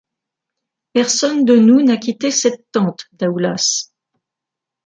Personne de nous n’a quitté cette tente, Daoulas.